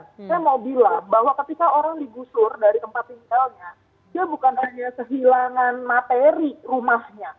saya mau bilang bahwa ketika orang digusur dari tempat tinggalnya dia bukan hanya kehilangan materi rumahnya